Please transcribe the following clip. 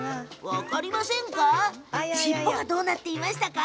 分かりませんでしたか？